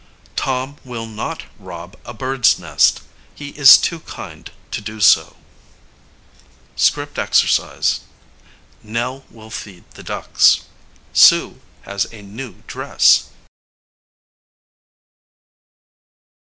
Tom will not rob a bird's nest. He is too kind to do so. [Illustration: Script Exercise: Nell will feed the ducks. Sue has a new dress.